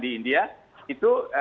di india itu